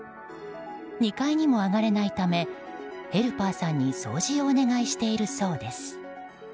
２階にも上がれないためヘルパーさんに掃除をお願いしているそうです。